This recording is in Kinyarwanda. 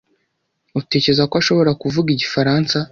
Utekereza ko ashobora kuvuga igifaransa?